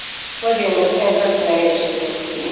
Kweli inapatianaka kazi na heshima